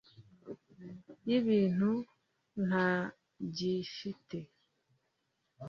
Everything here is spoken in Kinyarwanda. y'ibintu ntagifite ..